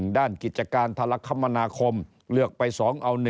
ด้านกิจการธรคมนาคมเลือกไป๒เอา๑